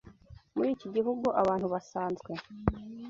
Muri iki gihugu, abantu basanzwe